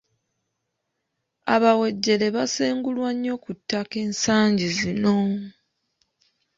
Abawejjere basengulwa nnyo ku ttaka ensangi zino.